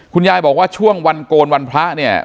คุณยายบอกว่าช่วงวันโกนวันพระเนี่ย